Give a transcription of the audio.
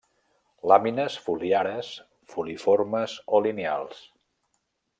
Làmines foliares filiformes, o lineals.